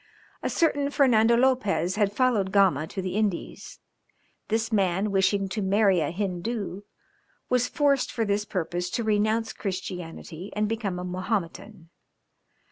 A certain Fernando Lopez had followed Gama to the Indies; this man, wishing to marry a Hindoo, was forced for this purpose to renounce Christianity and become a Mahometan.